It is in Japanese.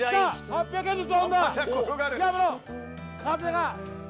風が。